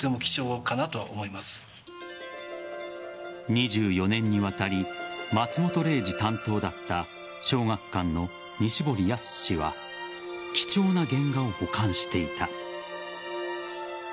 ２４年にわたり松本零士担当だった小学館の西堀靖氏は貴重な原画を保管していた。